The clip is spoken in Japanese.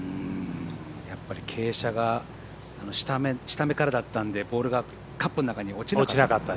やっぱり傾斜が下めからだったのでボールがカップの中に落ちなかった。